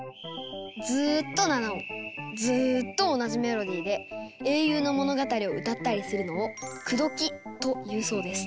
ずっと７音ずっと同じメロディーで英雄の物語を歌ったりするのを「くどき」というそうです。